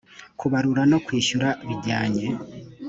kubarura no kwishyura bijyanye